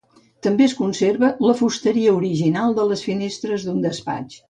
També es conserva la fusteria original de les finestres d'un despatx.